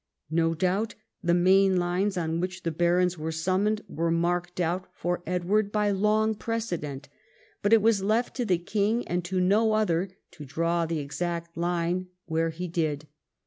No doubt the main lines on which the barons were summoned were marked out for Edward L 146 EDWARD I chap. by long precedent, but it was left to the king and to no other to draw the exact line where he did.